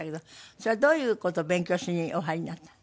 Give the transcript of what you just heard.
それはどういう事を勉強しにお入りになったの？